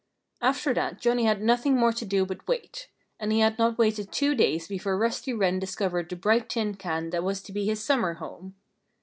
After that Johnnie had nothing more to do but wait. And he had not waited two days before Rusty Wren discovered the bright tin can that was to be his summer home.